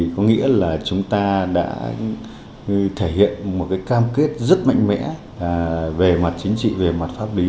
có nghĩa là chúng ta đã thể hiện một cam kết rất mạnh mẽ về mặt chính trị về mặt pháp lý